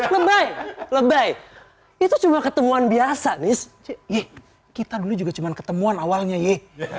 lebay lebay itu cuma ketemuan biasa nih kita dulu juga cuma ketemuan awalnya ye